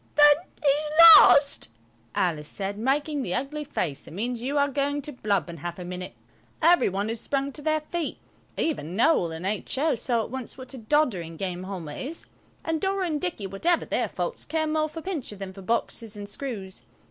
"Well, then, he's lost," Alice said, making the ugly face that means you are going to blub in half a minute. Every one had sprung to their feet. Even Noël and H.O. saw at once what a doddering game Halma is, and Dora and Dicky, whatever their faults, care more for Pincher than for boxes and screws.